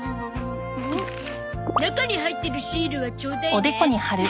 中に入ってるシールはちょうだいね。